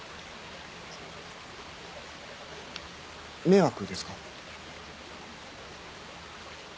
迷惑ですか？